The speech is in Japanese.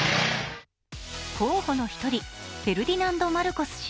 候補の一人フェルディナンド・マルコス氏。